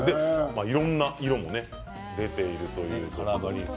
いろんな色も出ているということです。